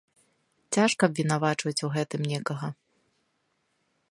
Цяжка абвінавачваць у гэтым некага.